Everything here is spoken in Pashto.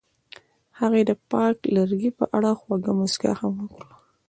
هغې د پاک لرګی په اړه خوږه موسکا هم وکړه.